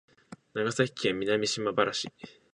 長崎県南島原市